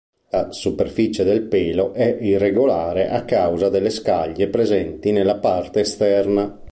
La superficie del pelo è irregolare a causa delle scaglie presenti nella parte esterna.